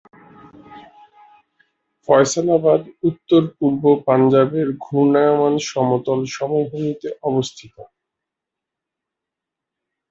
ফয়সালাবাদ উত্তর-পূর্ব পাঞ্জাবের ঘূর্ণায়মান সমতল সমভূমিতে অবস্থিত।